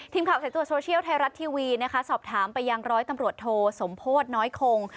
สายตรวจโซเชียลไทยรัฐทีวีนะคะสอบถามไปยังร้อยตำรวจโทสมโพธิน้อยคง